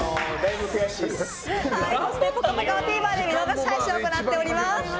そして、「ぽかぽか」はＴＶｅｒで見逃し配信を行っています。